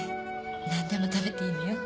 なんでも食べていいのよ。